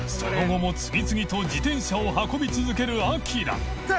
慮紊次々と自転車を運び続けるアキラ淵